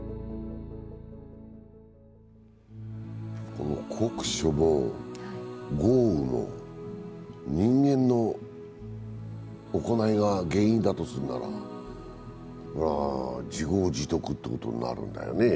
この酷暑も豪雨も人間の行いが原因だとするならこれは、自業自得ってことになるんだよね。